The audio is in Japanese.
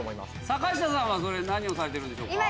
坂下さんはそれ何をされてるんでしょうか？